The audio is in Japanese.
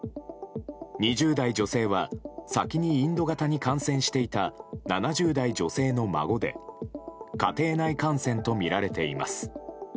２０代女性は先にインド型に感染していた７０代女性の孫で家庭内感染とみられています。